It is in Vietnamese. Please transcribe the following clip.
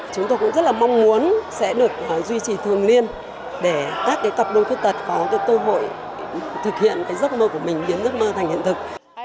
chúng tôi cũng rất là mong muốn sẽ được duy trì thường liên để các cặp đôi khuyết tật có cơ hội thực hiện giấc mơ của mình biến giấc mơ thành hiện thực